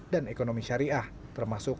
dan juga pendidikan perguruan tinggi berbasis islam